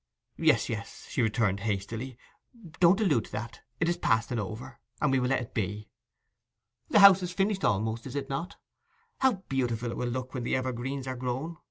'Yes, yes,' she returned hastily. 'Don't allude to that; it is past and over, and we will let it be. The house is finished almost, is it not? How beautiful it will look when the evergreens are grown!